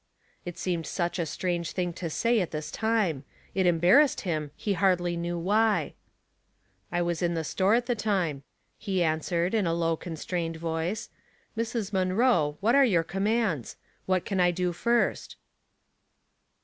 It seemed such a strange thing to say at this time ; it embarrassed him, he hardly knew why. " I was in the store at the time," he answered, in a low, constrained voice. *' Mrs. Munroe what are your commands? What can I do first?"